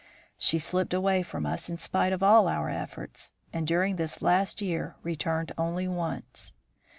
She slipped away from us in spite of all our efforts, and during this last year returned only once.